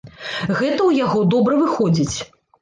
Гэта ў яго добра выходзіць.